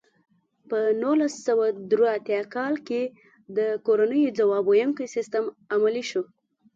په نولس سوه درې اتیا کال کې د کورنیو ځواب ویونکی سیستم عملي شو.